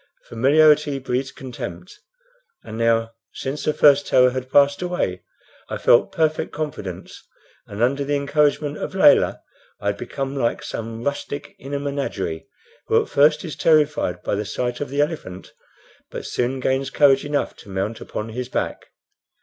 "Familiarity breeds contempt;" and now, since the first terror had passed away, I felt perfect confidence, and under the encouragement of Layelah I had become like some rustic in a menagerie, who at first is terrified by the sight of the elephant, but soon gains courage enough to mount upon his back.